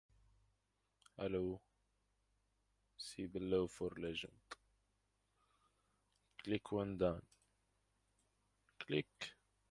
See below for legend.